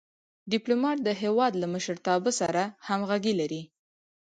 ډيپلومات د هېواد له مشرتابه سره همږغي لري.